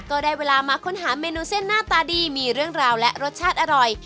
ก็ได้เวลามาค้นหาเมนูเส้นหน้าตาดีมีเรื่องราวและรสชาติอร่อย